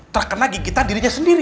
terkena gigitan dirinya sendiri